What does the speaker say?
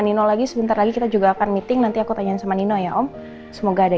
nino lagi sebentar lagi kita juga akan meeting nanti aku tanyain sama nino ya om semoga ada